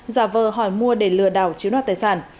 giả vờ hỏi mua để lừa đảo chiếm đoạt tài sản